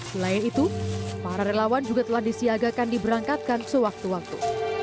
selain itu para relawan juga telah disiagakan diberangkatkan sewaktu waktu